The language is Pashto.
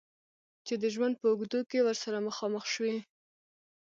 چې د ژوند په اوږدو کې ورسره مخامخ شوی.